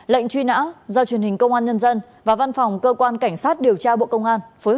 lệnh truy nã do truyền hình công an nhân dân và văn phòng cơ quan cảnh sát điều tra bộ công an phối hợp